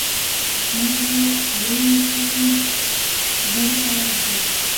شمېر یې دریو سوو زرو ته ورسېد.